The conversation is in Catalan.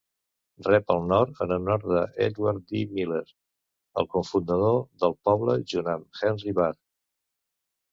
Rep el nom en honor a Edward D. Miller, el cofundador del poble junt amb Henry Barr.